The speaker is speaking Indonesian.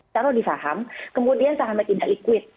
taruh di saham kemudian sahamnya tidak liquid